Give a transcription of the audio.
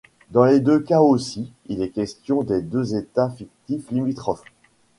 Dans les deux cas aussi, il est question de deux états fictifs limitrophes.